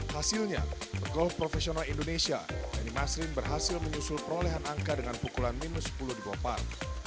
hasilnya pegolf profesional indonesia henny masrin berhasil menyusul perolehan angka dengan pukulan minus sepuluh di bawah par